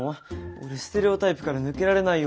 俺ステレオタイプから抜けられないよ。